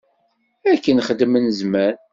Akken xeddmen zzman.